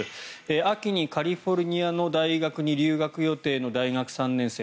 秋にカリフォルニアの大学に留学予定の大学３年生。